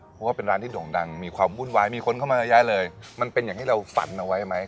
เพราะว่าเป็นร้านที่โด่งดังมีความวุ่นวายมีคนเข้ามาเยอะแยะเลยมันเป็นอย่างที่เราฝันเอาไว้ไหม